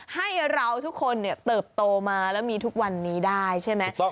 ให้เราทุกคนเติบโตมาแล้วมีทุกวันนี้ได้ใช่ไหม